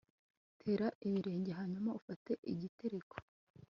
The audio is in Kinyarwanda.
tera ibirenge hanyuma ufate igitereko